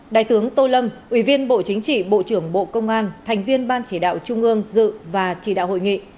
đại tướng tô lâm ủy viên bộ chính trị bộ trưởng bộ công an thành viên ban chỉ đạo trung ương dự và chỉ đạo hội nghị